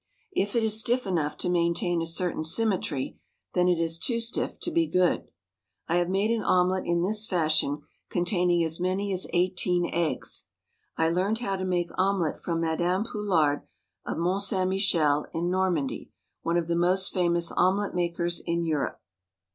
If it is stiff enough to maintain a certain symmetry, then it is too stiff to be good. I have made an omelette in this fashion containing as many as eighteen eggs. I learned how to make omelette from Madame Poulard of Mont St. Michel in Normandy, one of the most famous omelette makers in Europe.